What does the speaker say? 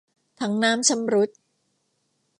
ถังน้ำชำรุด